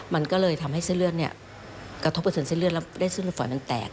มันก็เลยทำให้เส้นเลือดเนี่ยกระทบผสันเส้นเลือดแล้วได้เส้นฝ่อนมันแตก